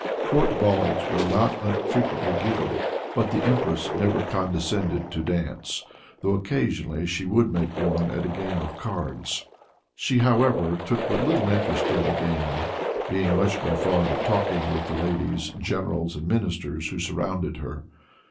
Court balls were not unfrequently given, but the empress never condescended to dance, though occasionally she would make one at a game of cards. She, however, took but little interest in the game, being much more fond of talking with the ladies, generals and ministers who surrounded her.